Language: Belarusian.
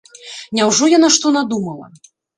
Няўжо яна што надумала?